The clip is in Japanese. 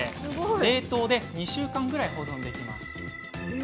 冷凍で２週間ぐらい保存できます。